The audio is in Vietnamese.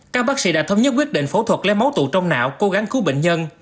các bác sĩ đã thống nhất quyết định phẫu thuật lấy máu tụ trong não cố gắng cứu bệnh nhân